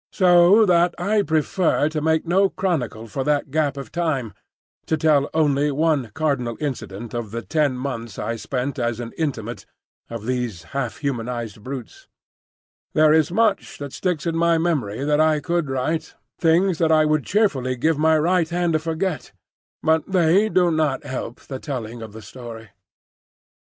So that I prefer to make no chronicle for that gap of time, to tell only one cardinal incident of the ten months I spent as an intimate of these half humanised brutes. There is much that sticks in my memory that I could write,—things that I would cheerfully give my right hand to forget; but they do not help the telling of the story.